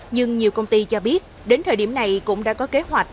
nhưng nhiều công ty cho biết đến thời điểm này cũng đã có kế hoạch